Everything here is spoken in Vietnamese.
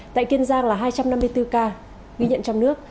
tại kiên giang là hai trăm năm mươi bốn ca ghi nhận trong nước